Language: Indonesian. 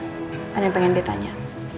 ada yang pengen ditanya